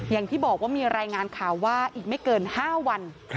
อย่างที่บอกว่ามีรายงานข่าวว่าอีกไม่เกิน๕วัน